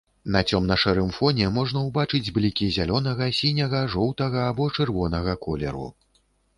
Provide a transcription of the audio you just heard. На цёмна-шэрым фоне можна ўбачыць блікі зялёнага, сіняга, жоўтага або чырвонага колеру.